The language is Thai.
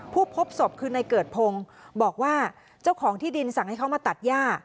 พบศพคือในเกิดพงศ์บอกว่าเจ้าของที่ดินสั่งให้เขามาตัดย่า